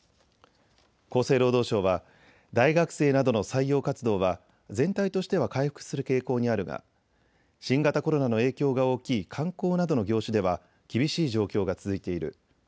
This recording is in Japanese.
厚生労働省は大学生などの採用活動は全体としては回復する傾向にあるが新型コロナの影響が大きい観光などの業種では厳しい状況が続いている。